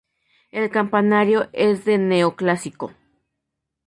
El campanario es de neoclásico.